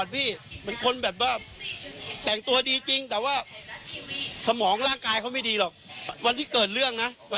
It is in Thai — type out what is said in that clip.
เพราะว่าเขาก็ไม่ตกใจอ่ะเนาะ